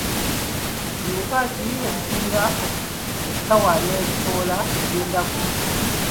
Biwuka ki ebisinga okutawaanya ebikoola by'endaggu?